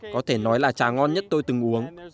có thể nói là trà ngon nhất tôi từng uống